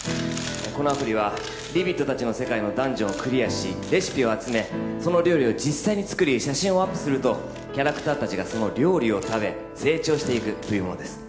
このアプリはリビット達の世界のダンジョンをクリアしレシピを集めその料理を実際に作り写真をアップするとキャラクター達がその料理を食べ成長していくというものです